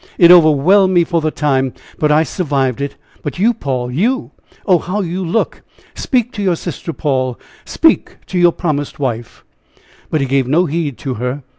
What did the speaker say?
it overwhelmed me for the time; but I survived it! But you, Paul you! Oh! how you look! Speak to your sister, Paul! Speak to your promised wife." But he gave no heed to her.